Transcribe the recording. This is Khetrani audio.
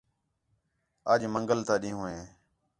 اَڄ منگل تا ݙینہوں ہے